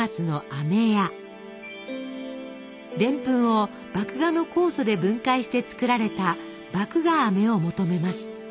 でんぷんを麦芽の酵素で分解して作られた「麦芽あめ」を求めます。